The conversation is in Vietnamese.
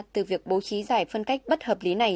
từ việc bố trí giải phân cách